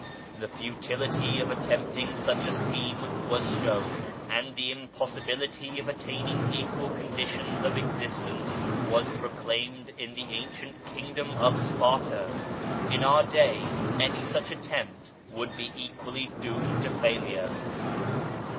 The futility of attempting such a scheme was shown and the impossibility of attaining equal conditions of existence was proclaimed in the ancient Kingdom of Sparta. In our day any such attempt would be equally doomed to failure.